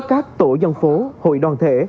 các tổ dân phố hội đoàn thể